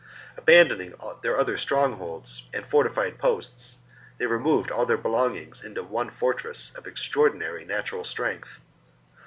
Abandoning all their other strongholds ^ and fortified posts, they removed all their belongings into one fortress of extraordinary natural strength.